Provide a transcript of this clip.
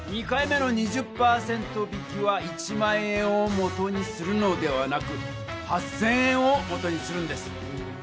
２回目の２０％引きは１００００円を元にするのではなく８０００円を元にするんです。